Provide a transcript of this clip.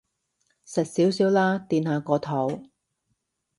食少少啦，墊下個肚